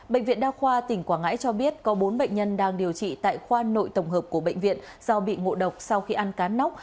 bệnh viện đa khoa tỉnh quảng ngãi cho biết có bốn bệnh nhân đang điều trị tại khoa nội tổng hợp của bệnh viện do bị ngộ độc sau khi ăn cá nóc